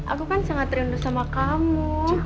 aku kan sangat rindu sama kamu